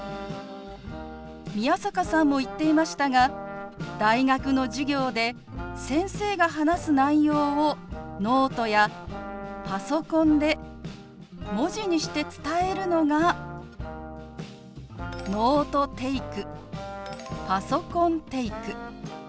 宮坂さんも言っていましたが大学の授業で先生が話す内容をノートやパソコンで文字にして伝えるのが「ノートテイク」「パソコンテイク」。